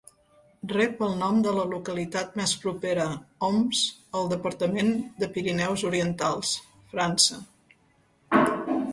Rep el nom de la localitat més propera, Oms, al departament de Pirineus Orientals, França.